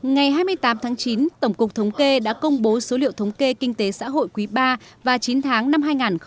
ngày hai mươi tám tháng chín tổng cục thống kê đã công bố số liệu thống kê kinh tế xã hội quý ba và chín tháng năm hai nghìn một mươi chín